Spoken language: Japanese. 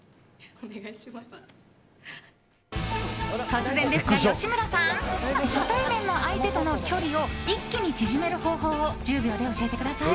突然ですが、吉村さん初対面の相手との距離を一気に縮める方法を１０秒で教えてください。